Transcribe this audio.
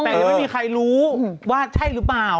แต่ยังไม่มีใครรู้ว่าใช่หรือเปล่า